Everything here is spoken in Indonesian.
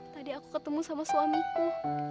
tadi aku ketemu sama suamiku